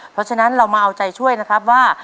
เพราะฉะนั้นเรามาเอาใจช่วยนะครับว่า